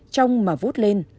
trong mà vút lên